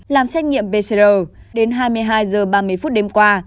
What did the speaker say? làm xét nghiệm pcr đến hai mươi hai h ba mươi phút đêm qua